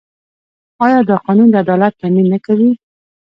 آیا دا قانون د عدالت تامین نه کوي؟